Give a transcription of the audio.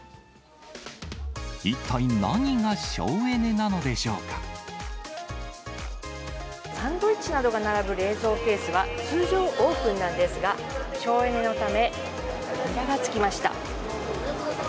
一体何が省エネなのでしょうサンドイッチなどが並ぶ冷蔵ケースは、通常、オープンなんですが、省エネのため、扉がつきました。